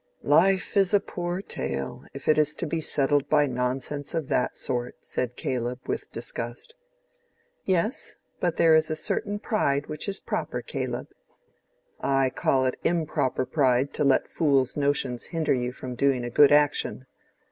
"Life is a poor tale, if it is to be settled by nonsense of that sort," said Caleb, with disgust. "Yes, but there is a certain pride which is proper, Caleb." "I call it improper pride to let fools' notions hinder you from doing a good action.